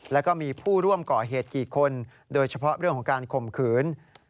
แล้วก็มีผู้ร่วมก่อเหตุกี่คนโดยเฉพาะเรื่องของการข่มขืน